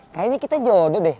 kayaknya kita jodoh deh